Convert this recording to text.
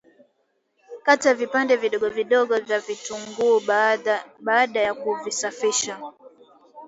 Kata vipande vidogo vidogo vya vitunguu baada ya kuvisafisha